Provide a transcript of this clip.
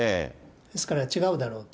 ですから違うだろうと。